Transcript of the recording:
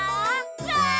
わい！